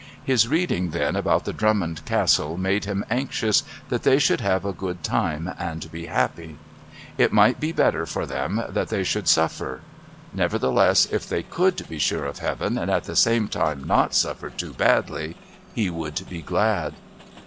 His reading then about the Drummond Castle made him anxious that they should have a good time and be happy. It might be better for them that they should suffer; nevertheless, if they could be sure of heaven and at the same time not suffer too badly he would be glad.